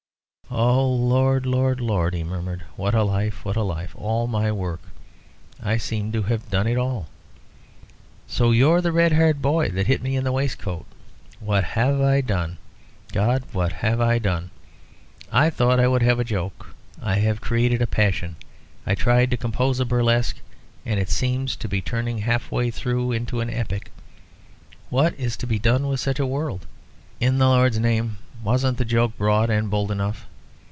"Oh, Lord, Lord, Lord," he murmured, "what a life! what a life! All my work! I seem to have done it all. So you're the red haired boy that hit me in the waistcoat. What have I done? God, what have I done? I thought I would have a joke, and I have created a passion. I tried to compose a burlesque, and it seems to be turning halfway through into an epic. What is to be done with such a world? In the Lord's name, wasn't the joke broad and bold enough?